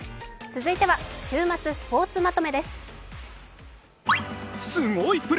続いては、週末スポーツまとめです。